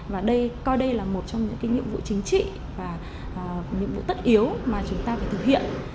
và đây coi đây là một trong những nhiệm vụ chính trị và nhiệm vụ tất yếu mà chúng ta phải thực hiện